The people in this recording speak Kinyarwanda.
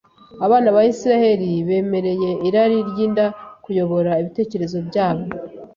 abana ba Isirayeli bemereye irari ry’inda kuyobora ibitekerezo byabo